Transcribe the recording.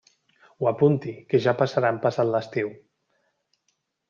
Ho apunti, que ja passaran passat l'estiu.